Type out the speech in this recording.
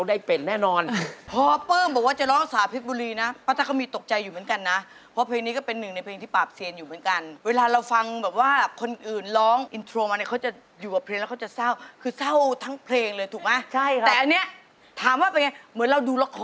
ดูแล้วมีความสุขผมไม่รู้จะเศร้าดีหรือว่าเอ๊ะ